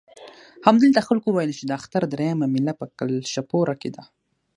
همدلته خلکو وویل چې د اختر درېیمه مېله په کلشپوره کې ده.